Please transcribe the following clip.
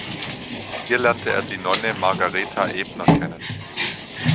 Hier lernte er die Nonne Margareta Ebner kennen.